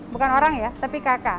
bukan orang ya tapi kakak